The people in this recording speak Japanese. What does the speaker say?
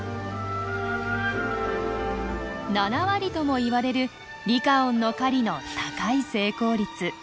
７割ともいわれるリカオンの狩りの高い成功率。